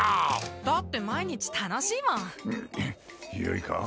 だって毎日楽しいもんよいか？